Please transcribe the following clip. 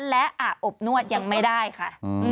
และอาบอบนวดยังไม่ได้ค่ะ